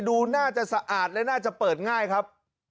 ดูน่าจะสะอาดและน่าจะเปิดง่ายครับ